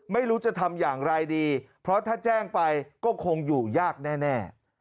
ไม่รู้จะทำอย่างไรดีเพราะถ้าแจ้งไปก็คงอยู่ยากแน่